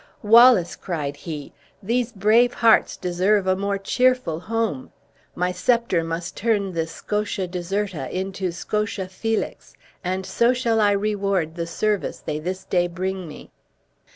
"Wallace," cried he, "these brave hearts deserve a more cheerful home! My scepter must turn this Scotia desrta into Scotia felix; and so shall I reward the service they this day bring me."